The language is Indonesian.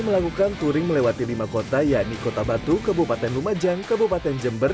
melakukan touring melewati lima kota yani kota batu kebupaten rumajang kebupaten jember